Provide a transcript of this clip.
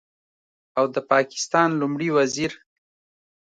او د پاکستان لومړي وزیر